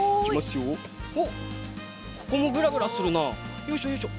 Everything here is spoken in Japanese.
よいしょよいしょ。